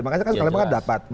makanya kalau dapat